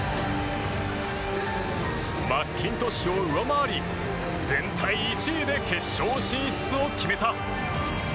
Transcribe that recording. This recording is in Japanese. マッキントッシュを上回り全体１位で決勝進出を決めた。